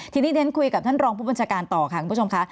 ทีนี้เรียนคุยกับท่านรองผู้บัญชาการต่อค่ะคุณผู้ชมค่ะ